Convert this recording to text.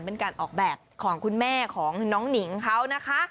เป็นการออกแบบของคุณแม่ของน้องหนิงเขานะคะ